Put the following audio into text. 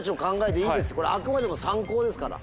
これはあくまでも参考ですから。